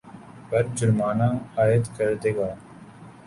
پر جرمانہ عاید کردے گا